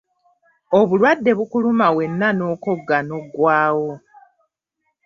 Obulwadde bukuluma wenna n'okogga n'oggwawo.